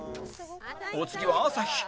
お次は朝日